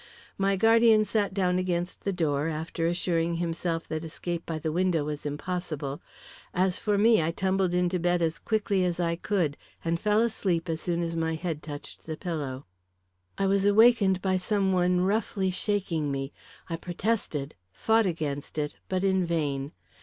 My guardian sat down against the door, after assuring himself that escape by the window was impossible. As for me, I tumbled into bed as quickly as I could and fell asleep as soon as my head touched the pillow. I was awakened by some one roughly shaking me. I protested, fought against it, but in vain.